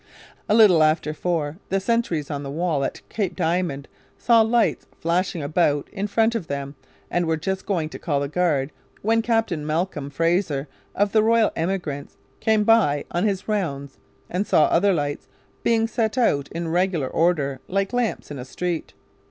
A little after four the sentries on the walls at Cape Diamond saw lights flashing about in front of them and were just going to call the guard when Captain Malcolm Fraser of the Royal Emigrants came by on his rounds and saw other lights being set out in regular order like lamps in a street.